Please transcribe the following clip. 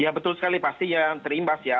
ya betul sekali pasti yang terimbas ya